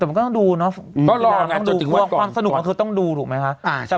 แต่มันก็ต้องดูเนาะก็รอนะจนถึงความสนุกมันคือต้องดูถูกไหมคะ